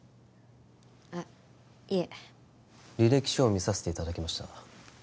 あいえ履歴書を見させていただきました